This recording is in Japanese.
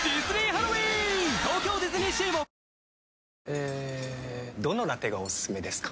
えどのラテがおすすめですか？